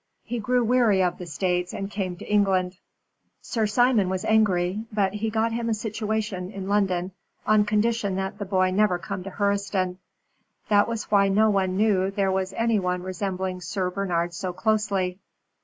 He grew weary of the States and came to England. Sir Simon was angry, but he got him a situation in London, on condition that the boy never came to Hurseton. That was why no one knew there was any one resembling Sir Bernard so closely.